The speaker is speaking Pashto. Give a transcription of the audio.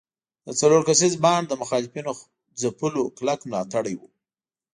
د څلور کسیز بانډ د مخالفینو ځپلو کلک ملاتړي وو.